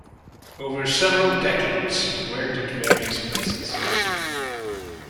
Over several decades, he worked at various places.